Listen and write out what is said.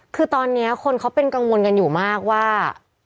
คือตอนนี้คนเขาเป็นกังวลกันอยู่มากว่า